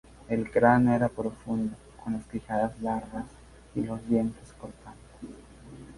El cráneo era profundo, con las quijadas largas, y los dientes cortantes.